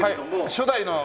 初代の。